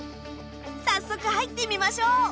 早速入ってみましょう。